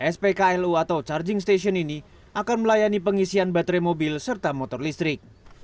spklu atau charging station ini akan melayani pengisian baterai mobil serta motor listrik